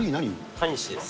タニシです。